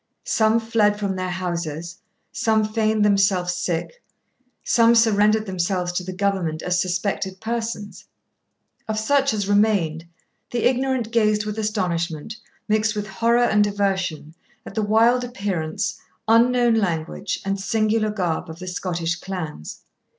Some fled from their houses, some feigned themselves sick, some surrendered themselves to the government as suspected persons. Of such as remained, the ignorant gazed with astonishment, mixed with horror and aversion, at the wild appearance, unknown language, and singular garb of the Scottish clans.